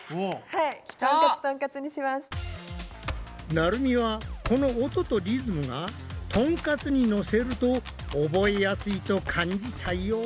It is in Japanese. なるみはこの音とリズムが「トンカツ」にのせると覚えやすいと感じたようだ！